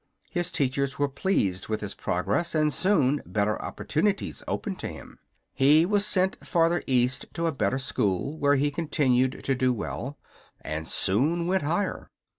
His teachers were pleased with his progress, and soon better opportunities opened to him. He was sent farther east to a better school, where he continued to do well, and soon went higher.